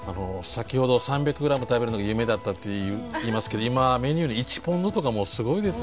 先ほど３００グラム食べるのが夢だったって言いますけど今メニューで１ポンドとかもうすごいですもんねやっぱりね。